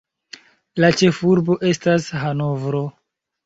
La ĉefurbo estas Hanovro.